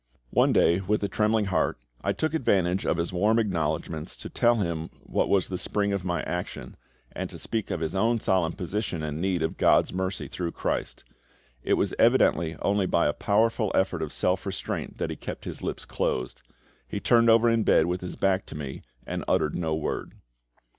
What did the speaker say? One day, with a trembling heart, I took advantage of his warm acknowledgments to tell him what was the spring of my action, and to speak of his own solemn position and need of GOD's mercy through CHRIST. It was evidently only by a powerful effort of self restraint that he kept his lips closed. He turned over in bed with his back to me, and uttered no word.